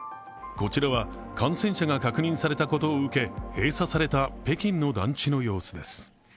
こちらは感染者が確認されたことを受け閉鎖された北京の団地の様子です。